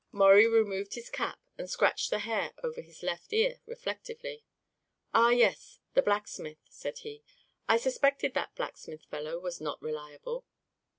Maurie removed his cap and scratched the hair over his left ear reflectively. "Ah, yes, the blacksmith!" said he. "I suspected that blacksmith fellow was not reliable."